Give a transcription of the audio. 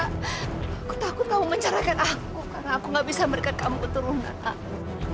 aku takut kamu mencerahkan aku karena aku tidak bisa mendekat kamu betul betul pak